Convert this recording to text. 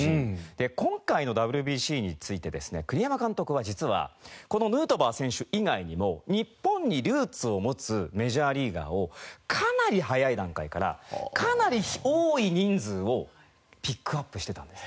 で今回のＷＢＣについてですね栗山監督は実はこのヌートバー選手以外にも日本にルーツを持つメジャーリーガーをかなり早い段階からかなり多い人数をピックアップしてたんです。